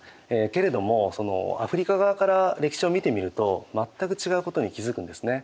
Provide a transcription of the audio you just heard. けれどもアフリカ側から歴史を見てみると全く違うことに気づくんですね。